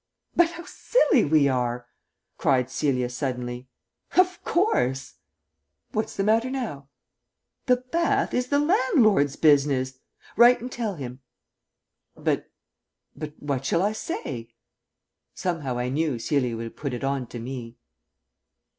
"But how silly we are!" cried Celia suddenly. "Of course!" "What's the matter now?" "The bath is the landlord's business! Write and tell him." "But but what shall I say?" Somehow I knew Celia would put it on to me.